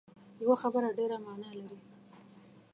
یوه خبره ډېره معنا لري